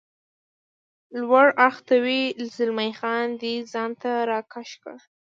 لوړ اړخ ته وي، زلمی خان دی ځان ته را کش کړ.